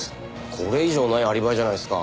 これ以上ないアリバイじゃないですか。